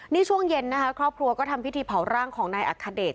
นี่ช่วงเย็นนะคะครอบครัวก็ทำพิธีเผาร่างของนายอัคเดช